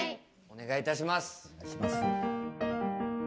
お願いいたします。